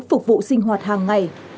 phục vụ sinh hoạt hàng ngày